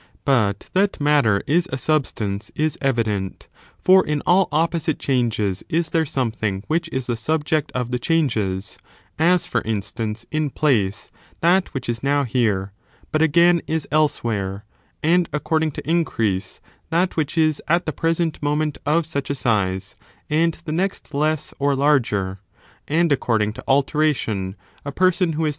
But that matter is a substance is evident, for in all opposite changes is there something which is the subject of the changes; as, for instance, in place, that which is now here, but again is elsewhere ; and according to increase, that which is at the present moment of such a size, and the next less or larger ; and according to alteration, a person who is now healthy, and ^ Vide book YL chap.